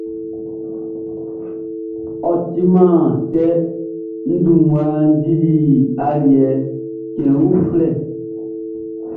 Ɔ timan tɛ, n dun mmua dili aliɛ cɛn uflɛ.